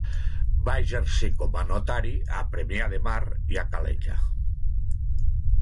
Va exercir com a notari a Premià de Mar i a Calella.